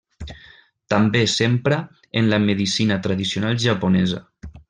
També s'empra en la medicina tradicional japonesa.